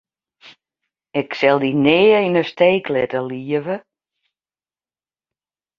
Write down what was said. Ik sil dy nea yn 'e steek litte, leave.